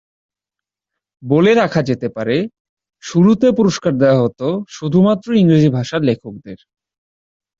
বলে রাখা যেতে পারে, শুরুতে পুরস্কার দেওয়া হতো শুধুমাত্র ইংরেজি ভাষার লেখকদের।